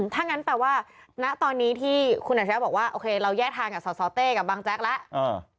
ถ้างั้นแปลว่าณตอนนี้ที่คุณอัจฉริยะบอกว่าโอเคเราแยกทางกับสสเต้กับบางแจ๊กแล้ว